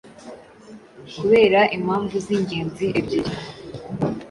kubera impamvu z'ingenzi ebyiri: •